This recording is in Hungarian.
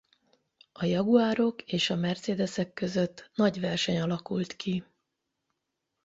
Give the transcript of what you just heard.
A Jaguarok és a Mercedesek között nagy verseny alakult ki.